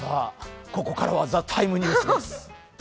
ここからは「ＴＨＥＴＩＭＥ，ニュース」です。